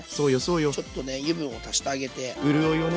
ちょっとね油分を足してあげて。